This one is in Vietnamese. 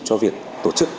cho việc tổ chức